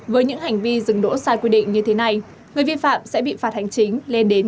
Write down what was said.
với những hành vi dừng đỗ sai quy định như thế này người vi phạm sẽ bị phạt hành chính lên đến chín trăm linh đồng